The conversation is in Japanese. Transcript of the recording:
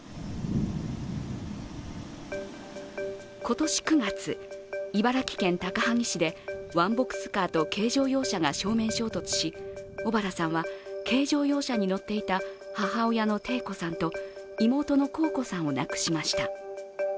今年９月、茨城県高萩市でワンボックスカーと軽乗用車が正面衝突し小原さんは軽乗用車に乗っていた母親のテイ子さんと妹の幸子さんを亡くしました。